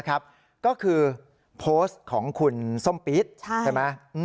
ก็คือโพสต์ของคุณส้มปี๊ดใช่ไหม